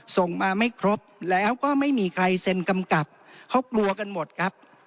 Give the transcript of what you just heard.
ส่งมาไม่ครบแล้วก็ไม่มีใครเซ็นกำกับเขากลัวกันหมดครับ